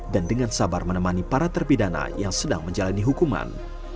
dan dengan sabar menemani para terpidana yang sedang menjalani hukuman